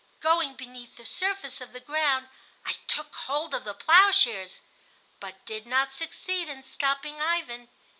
Going beneath the surface of the ground I took hold of the plowshares, but did not succeed in stopping Ivan.